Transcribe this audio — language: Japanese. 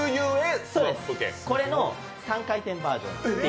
これの３回転バージョン。